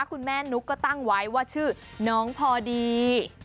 คุณแม่นุ๊กก็ตั้งไว้ว่าชื่อน้องพอดี